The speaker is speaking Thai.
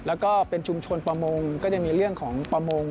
แล้วก็เป็นชุมชนประมงก็จะมีเรื่องของประมง